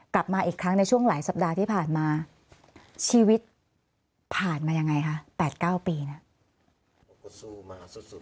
กลับมาอีกครั้งในช่วงหลายสัปดาห์ที่ผ่านมาชีวิตผ่านมายังไงคะ๘๙ปีนะ